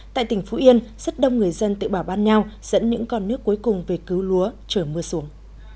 tại tỉnh phú yên rất đông người dân tự bảo ban nhau dẫn những con nước cuối cùng về cứu lúa trở mưa xuống